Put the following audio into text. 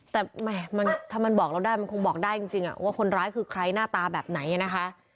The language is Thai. แต่ถ้ามันบอกเราได้มันคงบอกได้จริงว่าคนร้ายคือใครหน้าตาแบบไหนนะคะ